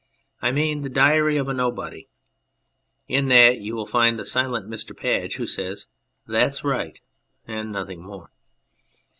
I mean The Diary of a Nobody. In that you will find the silent Mr. Padge, who says "That's right " and nothing more.